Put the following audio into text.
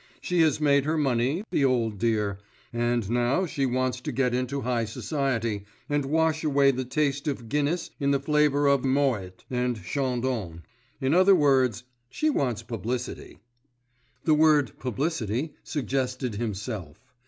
"She has made her money, the old dear, and now she wants to get into high society, and wash away the taste of Guinness in the flavour of Moet and Chandon. In other words, she wants publicity." The word "publicity" suggested himself.